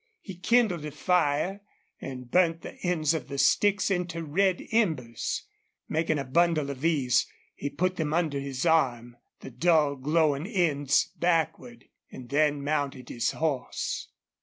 He kindled a fire and burnt the ends of the sticks into red embers. Making a bundle of these, he put them under his arm, the dull, glowing ends backward, and then mounted his horse.